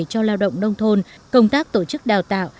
cho lao động nông thôn công tác tổ chức đào tạo